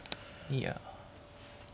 いや。